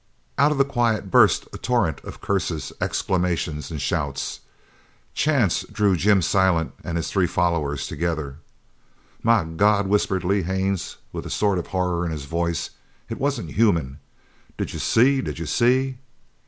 Out of the quiet burst a torrent of curses, exclamations, and shouts. Chance drew Jim Silent and his three followers together. "My God!" whispered Lee Haines, with a sort of horror in his voice, "it wasn't human! Did you see? Did you see?"